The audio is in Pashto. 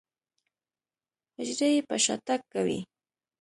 حجرې يې په شاتګ کوي.